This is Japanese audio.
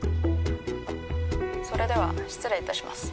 「それでは失礼致します」